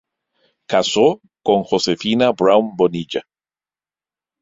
Casó con Josefina Braun Bonilla.